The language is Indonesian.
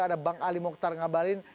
ada bang ali mokhtar ngabalin